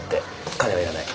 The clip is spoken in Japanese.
金はいらない。